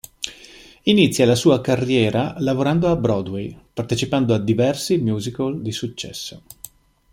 Inizia la sua carriera lavorando a Broadway, partecipando a diversi musical di successo.